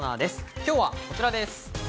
今日はこちらです。